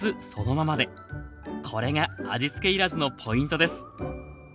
これが味付け要らずのポイントです。